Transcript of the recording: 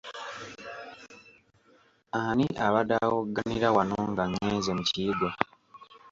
Ani abadde awogganira wano nga ngenze mu kiyigo?